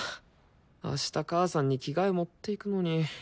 あした母さんに着替え持っていくのに。